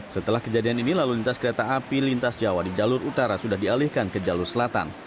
setelah kejadian ini lalu lintas kereta api lintas jawa di jalur utara sudah dialihkan ke jalur selatan